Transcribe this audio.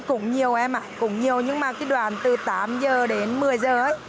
cũng nhiều em ạ cũng nhiều nhưng mà cái đoạn từ tám giờ đến một mươi giờ ấy